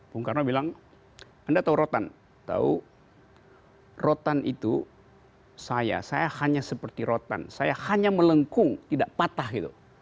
bung karno bilang anda tahu rotan tahu rotan itu saya saya hanya seperti rotan saya hanya melengkung tidak patah gitu